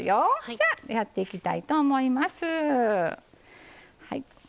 じゃあやっていきたいと思います。